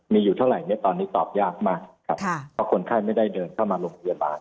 มีอยู่เท่าไหร่เนี่ยตอนนี้ตอบยากมากครับเพราะคนไข้ไม่ได้เดินเข้ามาโรงพยาบาล